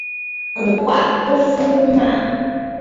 Ŋ̀gwàʼà ɨ fu ghu maʼà.